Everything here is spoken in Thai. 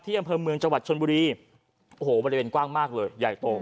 ที่อัมเภอเมืองจาวัดชนบุรีโอ้โหบริเวณกว้างมากเลย